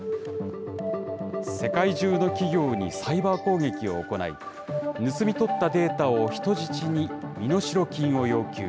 世界中の企業にサイバー攻撃を行い、盗み取ったデータを人質に身代金を要求。